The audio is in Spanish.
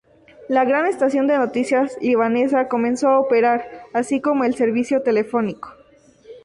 La gran estación de noticias libanesa comenzó a operar, así como el servicio telefónico.